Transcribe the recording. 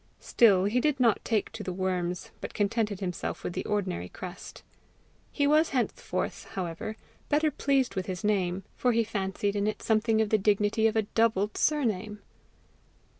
Still he did not take to the worms, but contented himself with the ordinary crest. He was henceforth, however, better pleased with his name, for he fancied in it something of the dignity of a doubled surname.